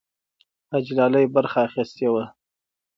حاجي لالی برخه اخیستې وه.